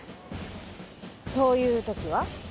そういう時は？